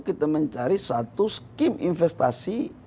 kita mencari satu scheme investasi